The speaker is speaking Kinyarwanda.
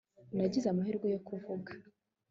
nagize amahirwe yo kuvuga